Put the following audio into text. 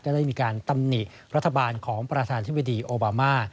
ได้มีการตำหนิรัฐบาลของประธานธิบดีโอบามา